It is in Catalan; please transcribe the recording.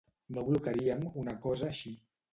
No blocaríem una cosa així.